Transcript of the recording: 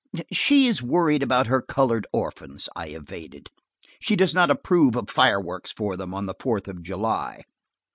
"She is worried about her colored orphans," I evaded. "She does not approve of fireworks for them on the fourth of July."